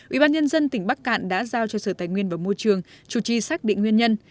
ubnd tỉnh bắc cạn đã giao cho sở tài nguyên và môi trường chủ trì xác định nguyên nhân